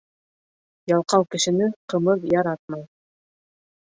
Ялҡау кешене ҡымыҙ яратмай.